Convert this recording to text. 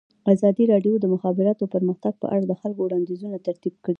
ازادي راډیو د د مخابراتو پرمختګ په اړه د خلکو وړاندیزونه ترتیب کړي.